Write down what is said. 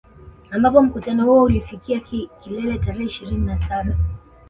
Ambapo mkutano huo ulifikia kilele tarehe ishirini na saba